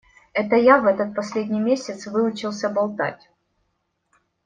Это я в этот последний месяц выучился болтать.